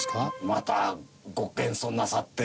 またご謙遜なさって。